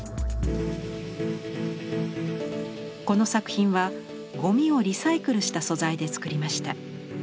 この作品はゴミをリサイクルした素材で作りました。